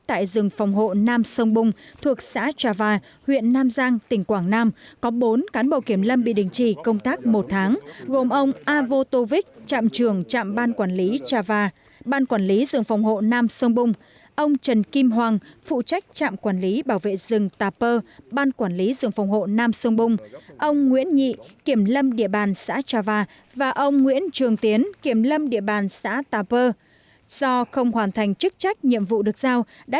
theo đó ông phan thanh minh trạm trưởng trạm quản lý bảo vệ rừng số ba thuộc ban quản lý rừng phòng hộ sông côn và ông đặng thi kiểm lâm địa bàn xã tà lu bị đình chỉ công tác một tháng do không hoàn thành chức trách nhiệm vụ được giao để lâm tạc đốn hạ ba mươi ba cây rừng phòng hộ sông côn và ông đặng thi kiểm lâm địa bàn xã tà lu với tổng khối gỗ các loại